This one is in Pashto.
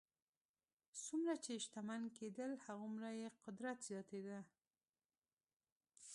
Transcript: څومره چې شتمن کېدل هغومره یې قدرت زیاتېده.